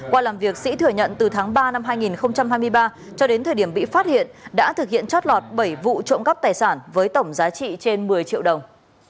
qua làm việc sĩ thừa nhận từ tháng ba năm hai nghìn hai mươi ba cho đến thời điểm bị phát hiện đã thực hiện chót lọt bảy vụ trộm cắp tài sản với tổng giá trị trên một mươi triệu đồng